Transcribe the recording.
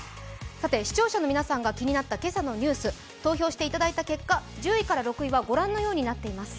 視聴者の皆さんが気になった今朝のニュース、投票していただいた結果１０位から６位は御覧のようになっています。